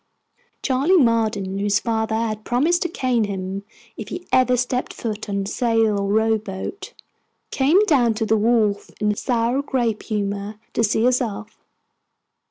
Charley Marden, whose father had promised to cane him if he ever stepped foot on sail or rowboat, came down to the wharf in a sour grape humor, to see us off.